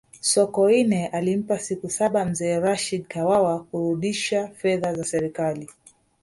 sokoine alimpa siku saba mzee rashidi kawawa kurudisha fedha za serikali